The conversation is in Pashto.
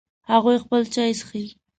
هغوی خپل چای څښي